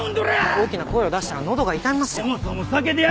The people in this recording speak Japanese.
大きな声を出したらのどが傷みますよ。